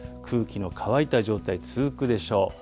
空気の乾いた状態、続くでしょう。